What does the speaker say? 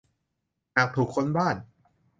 หากถูกค้นบ้าน